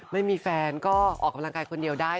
ไม่มีแฟนก็ออกกำลังกายคนเดียวได้